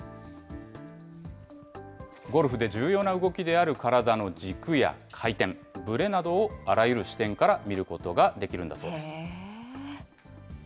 ゴルフで重要な動きである体の軸や回転、ブレなどをあらゆる視点から見ることができるんだそうです。